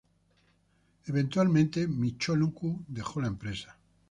Eventualmente Michinoku dejó la empresa.